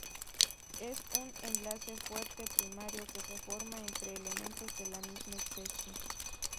Es un enlace fuerte, primario, que se forma entre elementos de la misma especie.